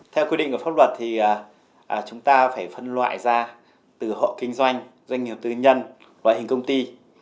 theo quy định của pháp luật thì chúng ta phải phân loại ra từ hộ kinh doanh doanh nghiệp tư nhân loại hình công ty